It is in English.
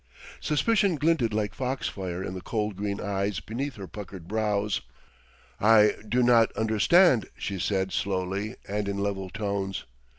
Suspicion glinted like foxfire in the cold green eyes beneath her puckered brows. "I do not understand," she said slowly and in level tones.